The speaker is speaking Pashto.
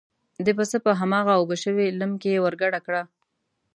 د پسه په هماغه اوبه شوي لم کې یې ور ګډه کړه.